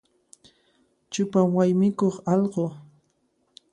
Chupa waymikuq allqu.